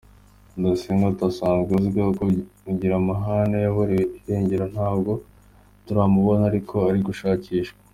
Rudasingwa ati “Asanzwe uzwiho kugira amahane, yaburiwe irengero ntabwo turamubona, ariko ari gushakishwa.